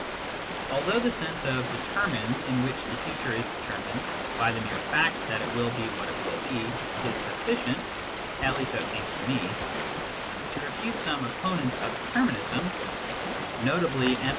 Although the sense of " determined " in which the future is determined by the mere fact that it will be what it will be is sufficient (at least so it seems to me) to refute some opponents of determinism, notably M.